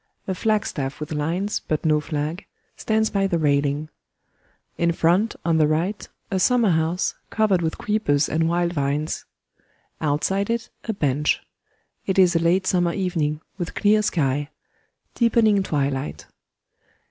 A flagstaff with lines, but no flag, stands by the railing. In front, on the right, a summer house, covered with creepers and wild vines. Outside it, a bench. It is a late summer evening, with clear sky. Deepening twilight.